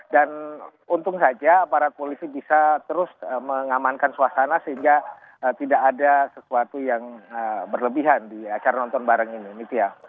dan untung saja aparat polisi bisa terus mengamankan suasana sehingga tidak ada sesuatu yang berlebihan di acara nonton bareng ini nitya